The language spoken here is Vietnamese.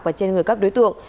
và trên người các đối tượng